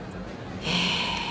へえ。